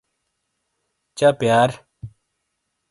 چہ پِییار۔